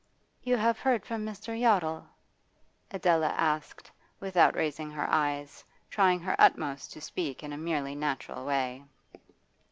'You have heard from Mr. Yottle?' Adela asked, without raising her eyes, trying her utmost to speak in a merely natural way.